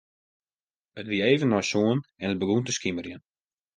It wie even nei sânen en it begûn te skimerjen.